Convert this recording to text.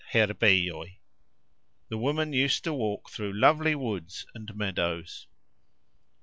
The woman used to walk through lovely woods and meadows.